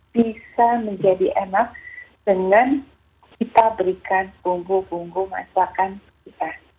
bisa menjadi enak dengan kita berikan bumbu bumbu masakan kita